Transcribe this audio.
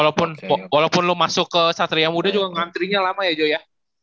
ya walaupun lu masuk ke patriamuda juga ngantrinya lama ya joe ya